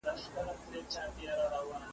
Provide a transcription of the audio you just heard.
تۀ ابادۍ ته ځه اباده اوسې